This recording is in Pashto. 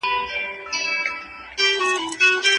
تجلا، خان تحصیل، احمد ولی میرمن ګلشن، قندی کوچۍ